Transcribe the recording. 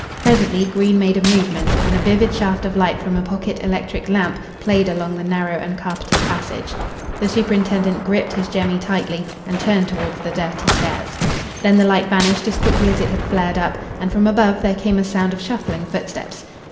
Presently Green made a movement, and a vivid shaft of light from a pocket electric lamp played along the narrow uncarpeted passage. The superintendent gripped his jemmy tightly and turned towards the dirty stairs. Then the light vanished as quickly as it had flared up, and from above there came a sound of shuffling footsteps.